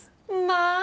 まあ！